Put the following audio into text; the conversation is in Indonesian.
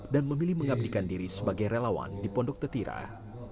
dan memilih mengabdikan diri sebagai relawan di pondok tetirah